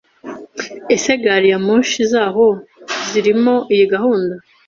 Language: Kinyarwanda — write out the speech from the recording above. Ese gari ya moshi zaho zirimo iyi gahunda?